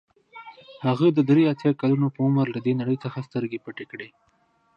هغه د درې اتیا کلونو په عمر له دې نړۍ څخه سترګې پټې کړې.